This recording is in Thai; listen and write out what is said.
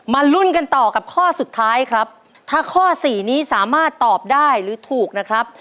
ลุ้นกันต่อกับข้อสุดท้ายครับถ้าข้อสี่นี้สามารถตอบได้หรือถูกนะครับ